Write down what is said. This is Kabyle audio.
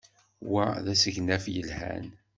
Wa d asegnaf yelhan.